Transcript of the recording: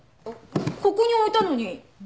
ここに置いたのに。